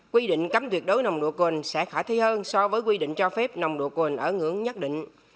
quy định cấm tuyệt đối nồng độ cồn sẽ khả thi hơn so với quy định cho phép nồng độ cồn ở ngưỡng nhất định